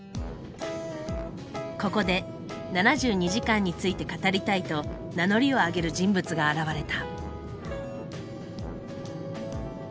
ここで「７２時間」について語りたいと名乗りを上げる人物が現れた。